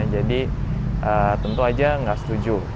jadi tentu aja nggak setuju